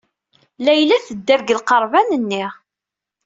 Layla tedder deg lqerban-nni.